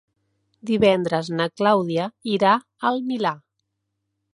Divendres na Clàudia irà al Milà.